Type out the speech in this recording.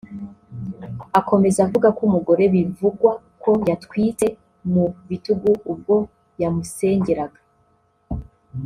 Akomeza avuga ko umugore bivugwa ko yatwitse mu bitugu ubwo yamusengeraga